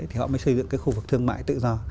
thì họ mới xây dựng cái khu vực thương mại tự do